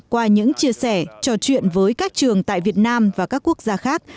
qua những chia sẻ trò chuyện với các trường tại việt nam và các quốc gia khác